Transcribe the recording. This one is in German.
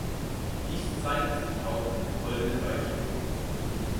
Dies zeigt sich auch in den folgenden Beispielen.